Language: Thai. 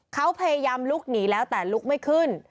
เขาพยายามลุกหนีแล้วแต่ลุกไม่ขึ้น